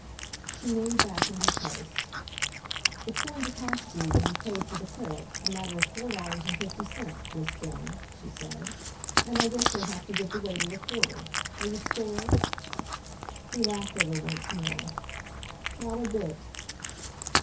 She leaned back in her place. "It's going to cost you, when you've paid for the claret, a matter of four dollars and fifty cents, this dinner," she said, "and I guess you'll have to give the waiter a quarter. Are you scared?" He laughed at her once more. "Not a bit!"